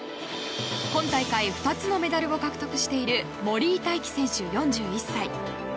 今大会２つのメダルを獲得している森井大輝選手、４１歳。